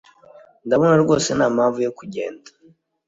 Ndabona rwose ntampamvu yo kugenda